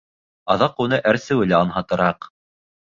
Аҙаҡ уны әрсеүе лә анһатыраҡ.